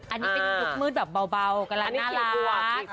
อันนี้เป็นยุคมืดแบบเบากำลังน่ารัก